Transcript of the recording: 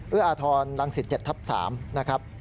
อาทรรังสิต๗ทับ๓นะครับ